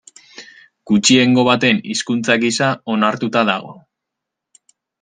Gutxiengo baten hizkuntza gisa onartua dago.